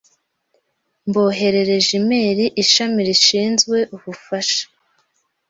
Mboherereje imeri ishami rishinzwe ubufasha .